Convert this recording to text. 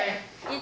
１。